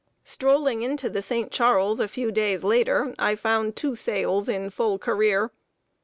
Strolling into the St. Charles, a few days later, I found two sales in full career.